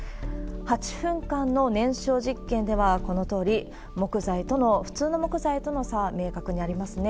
８分間の燃焼実験では、このとおり、木材との普通の木材とは差は明確にありますね。